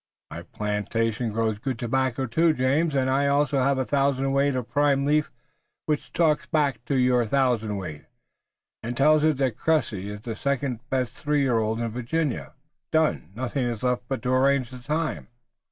"My plantation grows good tobacco too, James, and I also have a thousand weight of prime leaf which talks back to your thousand weight, and tells it that Cressy is the second best three year old in Virginia, not the best." "Done. Nothing is left but to arrange the time."